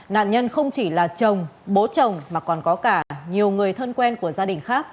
nạn nhân không chỉ là chồng bố chồng mà còn có cả nhiều người thân quen của gia đình khác